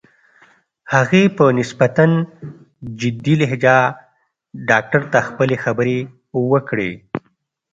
هغې په نسبتاً جدي لهجه ډاکټر ته خپلې خبرې وکړې.